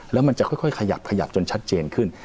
แล้วมันจะค่อยขยับขยับจนชัดเจนขึ้น